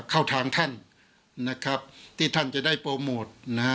เข้าทางท่านนะครับที่ท่านจะได้โปรโมทนะฮะ